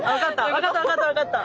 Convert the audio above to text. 分かった分かった分かった。